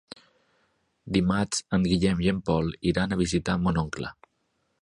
Dimarts en Guillem i en Pol iran a visitar mon oncle.